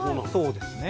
そうですね。